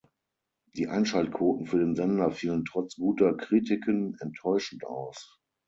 Die Einschaltquoten für den Sender fielen trotz guter Kritiken enttäuschend aus.